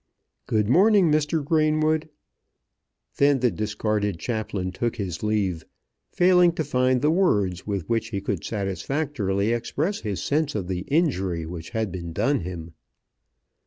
"Good morning, Mr. Greenwood." Then the discarded chaplain took his leave, failing to find the words with which he could satisfactorily express his sense of the injury which had been done him.